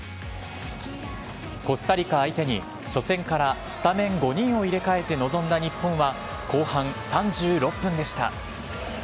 コスタリカ相手に、初戦からスタメン５人を入れ替えて臨んだ日本は、後半３６分でした。